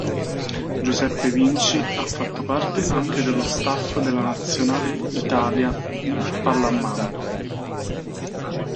Giuseppe Vinci ha fatto parte anche dello staff della Nazionale Italia di pallamano.